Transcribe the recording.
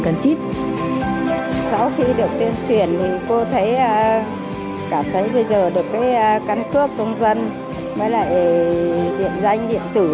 sau khi được tuyên truyền thì cô cảm thấy bây giờ được cái căn cấp công dân với lại điện danh điện tử